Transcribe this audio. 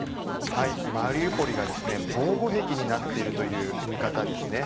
マリウポリが防護壁になっているという見方です。